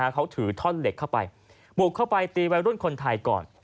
เขาถือท่อนเหล็กเข้าไปบุกเข้าไปตีวัยรุ่นคนไทยก่อน